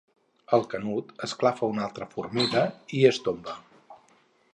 El Canut esclafa una altra formiga i es tomba.